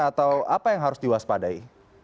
atau apa yang harus diwaspadai